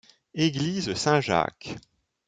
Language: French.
Eglise Saint-Jacques.